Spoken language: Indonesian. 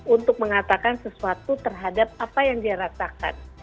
untuk mengatakan sesuatu terhadap apa yang dia rasakan